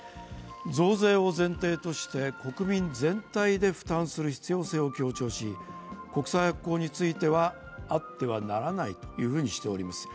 増税を前提として国民全体で負担する必要性を強調し、国債発行についてはあってはならないとしております。